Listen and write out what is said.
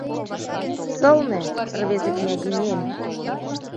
Сылне, рвезе княгинем!